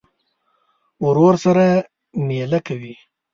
ورور سره مېله کوې.